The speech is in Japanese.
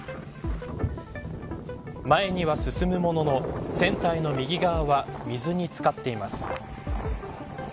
前には進むものの船体の右側は水につかっています。